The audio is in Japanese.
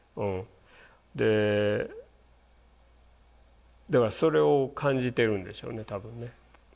でだからそれを感じてるんでしょうね多分ね。